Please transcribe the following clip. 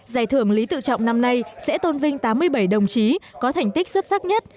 giải thưởng lý tự trọng năm nay sẽ tôn vinh tám mươi bảy đồng chí có thành tích xuất sắc nhất